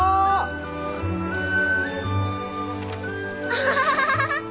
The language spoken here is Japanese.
アハハハハ！